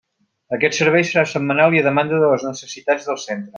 Aquest servei serà setmanal i a demanda de les necessitats del Centre.